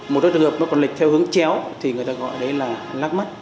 một đôi trường hợp nó còn lịch theo hướng chéo thì người ta gọi đấy là lắc mắt